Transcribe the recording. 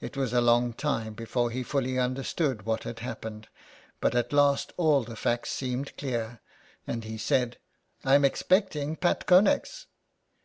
It was a long time before he fully understood what had happened, but at last all the facts seemed clear, and he said :—" I'm expecting Pat Connex."